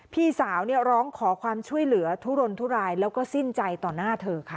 พี่สาวร้องขอความช่วยเหลือทุรนทุรายแล้วก็สิ้นใจต่อหน้าเธอค่ะ